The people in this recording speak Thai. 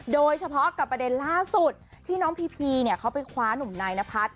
โดยเฉพาะกับประเด็นล่าสุดที่น้องพีพีเนี่ยเขาไปคว้านุ่มนายนพัฒน์